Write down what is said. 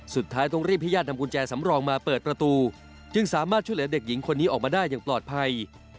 สุดท้ายต้องรีบให้ญาตินำกุญแจสำรองมาเปิดประตูจึงสามารถช่วยเหลือเด็กหญิงคนนี้ออกมาได้อย่างปลอดภัย